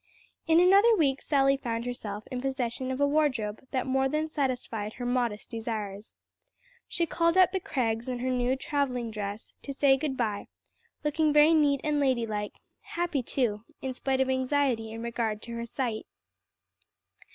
In another week, Sally found herself in possession of a wardrobe that more than satisfied her modest desires. She called at the Crags in her new traveling dress, to say good bye, looking very neat and lady like; happy too, in spite of anxiety in regard to her sight.